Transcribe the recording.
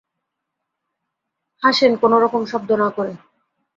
হাসেন কোনো রকম শব্দ না করে।